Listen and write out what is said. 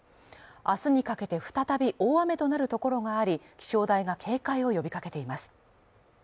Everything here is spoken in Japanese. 明日にかけて再び大雨となるところがあり、気象台が警戒を呼びかけています。